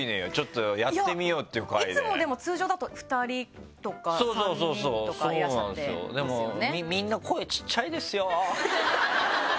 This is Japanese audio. いつもでも通常だと２人とか３人とかいらっしゃってますよね。